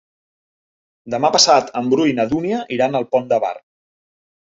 Demà passat en Bru i na Dúnia iran al Pont de Bar.